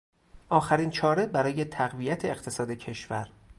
آخرین چاره برای تقویت اقتصاد کشور